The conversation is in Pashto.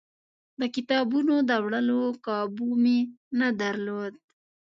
د کتابونو د وړلو کابو مې نه درلود.